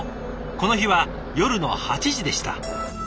この日は夜の８時でした。